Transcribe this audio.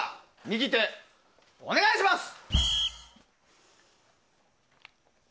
右手、お願いします。